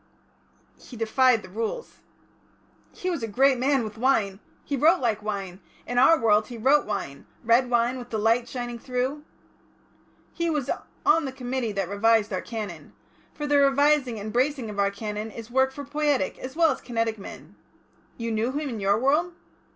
"He defied the Rules." "He was a great man with wine. He wrote like wine; in our world he wrote wine; red wine with the light shining through." "He was on the Committee that revised our Canon. For the revising and bracing of our Canon is work for poietic as well as kinetic men. You knew him in your world?"